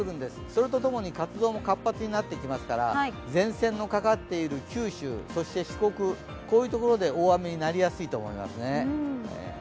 それとともに活動も活発になってきますから前線のかかっている九州、そして四国、こういうところで大雨になりやすいと思いますね。